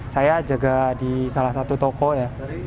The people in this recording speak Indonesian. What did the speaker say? saya jaga di salah satu toko ya